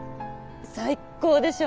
最っ高でしょ？